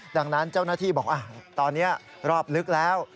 ดังนั้นเจ้าหน้าที่บอกว่าตอนนี้รอบลึกแล้ว